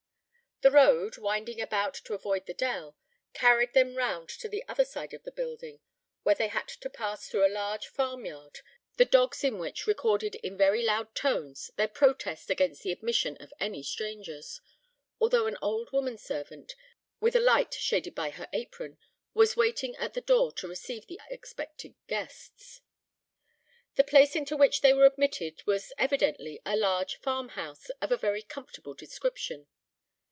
The road, winding about to avoid the dell, carried them round to the other side of the building, where they had to pass through a large farm yard, the dogs in which recorded in very loud tones their protest against the admission of any strangers, although an old woman servant, with a light shaded by her apron, was waiting at the door to receive the expected guests. The place into which they were admitted, was evidently a large farm house of a very comfortable description.